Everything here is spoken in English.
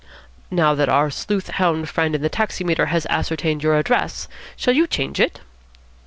"Now that our sleuth hound friend in the taximeter has ascertained your address, shall you change it?"